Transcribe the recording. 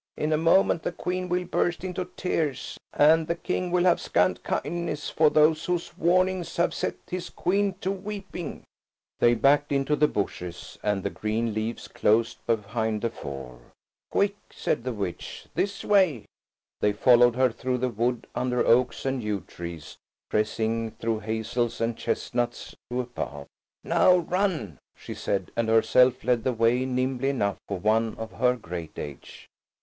In a moment the Queen will burst into tears, and the King will have scant kindness for those whose warnings have set his Queen to weeping." They backed into the bushes, and the green leaves closed behind the four. "Quick!" said the witch; "this way." They followed her through the wood under oaks and yew trees, pressing through hazels and chestnuts to a path. "Now run!" she said, and herself led the way nimbly enough for one of her great age.